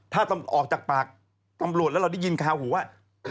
ถ้าออกจากปากตำรวจแล้วเราได้ยินคาหูว่า